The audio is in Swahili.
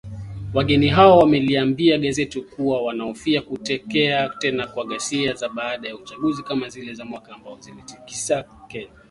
Wageni hao wameliambia gazeti kuwa wanahofia kutokea tena kwa ghasia za baada ya uchaguzi kama zile za mwaka ambazo ziliitikisa Kenya